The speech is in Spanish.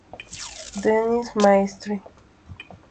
Denise Maestre